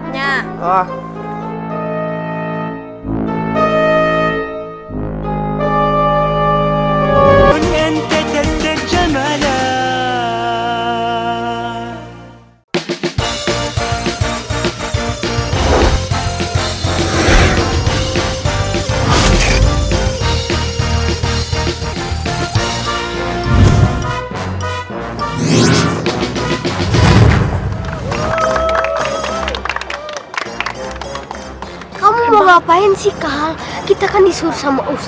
dimulai dari ya mas